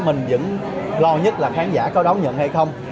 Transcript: mình vẫn lo nhất là khán giả có đón nhận hay không